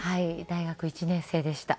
大学１年生でした。